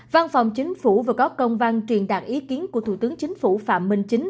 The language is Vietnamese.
văn phòng chính phủ vừa có công văn truyền đạt ý kiến của thủ tướng chính phủ phạm minh chính